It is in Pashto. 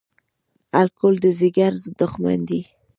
الکول د ځیګر دښمن دی